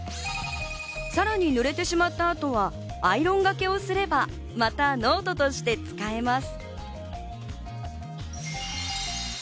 さらに濡れてしまった後はアイロンがけをすればまたノートとして使えます。